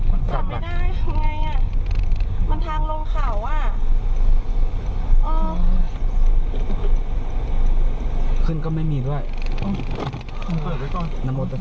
โอ้ยจอดไม่ได้มันไงมันทางลงขาว